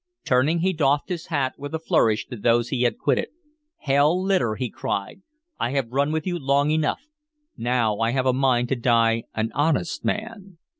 Turning, he doffed his hat with a flourish to those he had quitted. "Hell litter!" he cried. "I have run with you long enough. Now I have a mind to die an honest man."